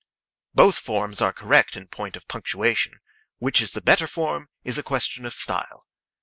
Both forms are correct in point of punctuation. Which is the better form is a question of style.